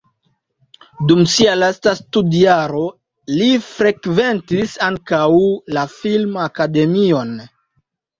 Dum sia lasta studjaro li frekventis ankaŭ la film-akademion.